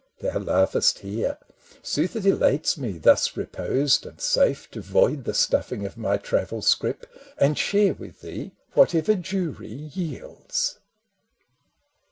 Thou laughest here ! 'Sooth, it elates me, thus reposed and safe, To void the stuffing of my travel scrip And share with thee whatever Jewry yields.